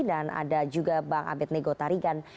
dan ada juga bang abed nego tarigan